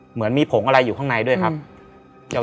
เหมือนมีผงอะไรอยู่ข้างในด้วยครับ